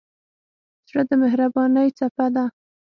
زړه د مهربانۍ څپه ده.